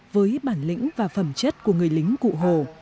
với bản lĩnh và phẩm chất của người lính cụ hồ